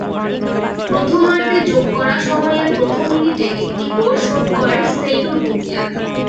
প্রথমার্ধে যোগ করা সময়ের প্রথম মিনিটে একটি গোল শোধ করেন সেইডু ডুম্বিয়া।